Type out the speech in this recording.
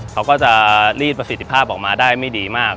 เขาก็จะรีดประสิทธิภาพออกมาได้ไม่ดีมาก